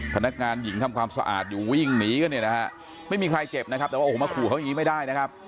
พนักงานหญิงทำความสะอาดอยู่วิ่งหนีกันเนี่ยนะฮะไม่มีใครเจ็บนะครับแต่ว่าโอ้โหมาขู่เขาอย่างนี้ไม่ได้นะครับ